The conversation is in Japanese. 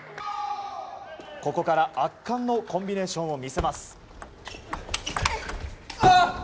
ここから圧巻のコンビネーションを見せます。